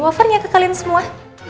woffernya ke kalian semua